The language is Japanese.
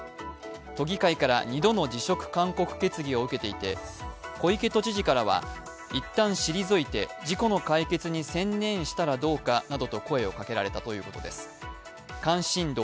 都議会から２度の辞職勧告決議を受けていて小池都知事からは、一旦退いて、事故の解決に専念したらどうかなどと声をかけられたということです。